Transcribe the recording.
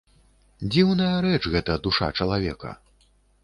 Дзіўная рэч гэта душа чалавека!